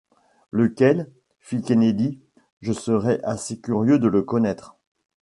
Lequel? fit Kennedy ; je serais assez curieux de le connaître.